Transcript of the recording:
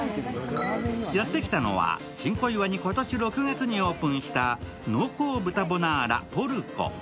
やってきたのは新小岩に今年６月にオープンした濃厚豚ボナーラポルコ。